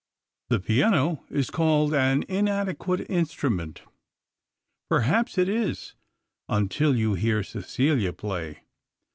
The piano is called an inadequate instrument. Perhaps it is, until you hear Cecilia play.